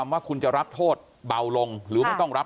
แต่ว่าวินนิสัยดุเสียงดังอะไรเป็นเรื่องปกติอยู่แล้วครับ